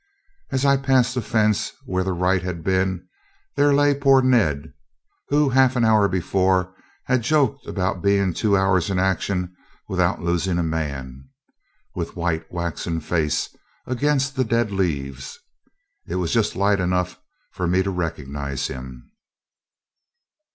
As I passed the fence where the right had been, there lay poor Ned, who half an hour before had joked about being two hours in action without losing a man, with white, waxen face against the dead leaves. It was just light enough for me to recognize him.